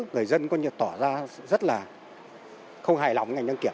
người dân có như tỏ ra rất là không hài lòng với ngành dân kiểm